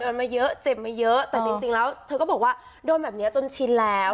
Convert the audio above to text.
มาเยอะเจ็บมาเยอะแต่จริงแล้วเธอก็บอกว่าโดนแบบนี้จนชินแล้ว